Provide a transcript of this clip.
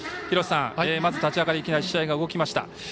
廣瀬さん、立ち上がりまず試合が動きました。